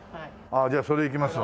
ああじゃあそれいきますわ。